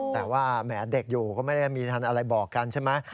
แต่ว่าแหมเด็กอยู่ก็ไม่ได้มีทันอะไรบอกกันใช่ไหม